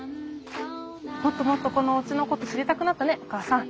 もっともっとこのおうちのこと知りたくなったねお母さん。